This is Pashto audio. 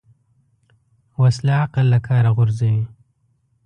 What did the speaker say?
وسله عقل له کاره غورځوي